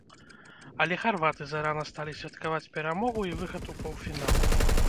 Але харваты зарана сталі святкаваць перамогу і выхад у паўфінал.